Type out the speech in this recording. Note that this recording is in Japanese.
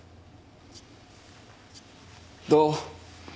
どう？